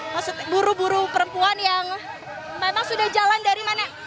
maksud buru buru perempuan yang memang sudah jalan dari mana